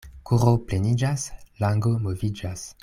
Koro pleniĝas — lango moviĝas.